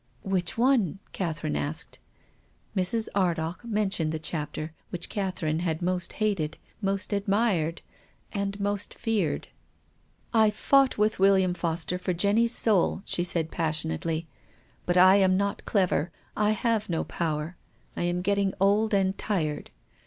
"Which one?" Catherine asked. Mrs. Ardagh mentioned the chapter which Catherine had most hated, most admired, and most feared. " T fonrrht with William Foster for Jenny's soul," she said, passionately. " But I am not clever. I have no power. I am getting old and tired.